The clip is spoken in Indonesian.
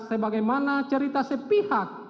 sebagaimana cerita sepihak